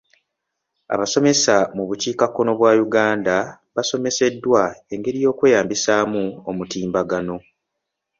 Abasomesa mu bukiikakkono bwa Uganda basomeseddwa engeri y'okweyambisaamu omutimbagano.